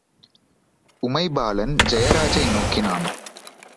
உமைபாலன், ஜெயராஜை நோக்கினான்.